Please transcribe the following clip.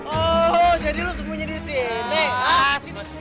oh jadi lu semuanya disini